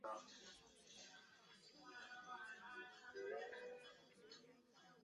弗朗茨陨石坑坑底西南坐落了一对环绕着高反照率喷出物的细小撞击坑。